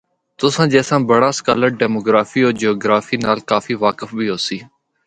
تساں جیسا بڑا سکالر ڈیموٖگرافی ہو جیوگرافی نال کافی واقف بھی ہوسی۔